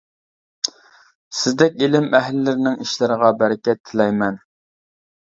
سىزدەك ئىلىم ئەھلىلىرىنىڭ ئىشلىرىغا بەرىكەت تىلەيمەن.